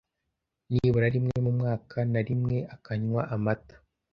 nibura rimwe mu mwaka na rimwe akanywa amata